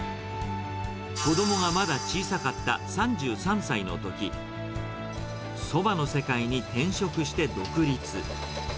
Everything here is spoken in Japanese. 子どもがまだ小さかった３３歳のとき、そばの世界に転職して独立。